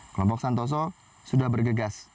kelompok santoso sudah bergegas